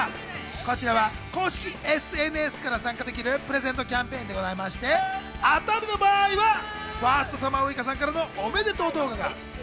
こちらは公式ＳＮＳから参加できるプレゼントキャンペーンでございまして、当たりの場合はファーストサマーウイカさんからのおめでとう動画が。